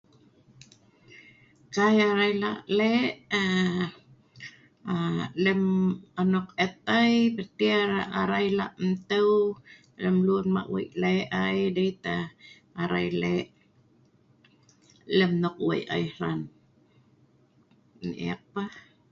kai arai lak lek aa aa.. lem anok et' ai, mesti arai lak nteu lem lun ma wei' ai dei tah arai lek lem nok wei' ai hran an eek pa..